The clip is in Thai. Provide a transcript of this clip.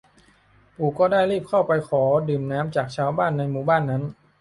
ปู่ก็ได้รีบเขาไปขอน้ำดื่มจากชาวบ้านในหมู่บ้านนั้น